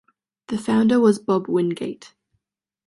The founder was Bob Wingate.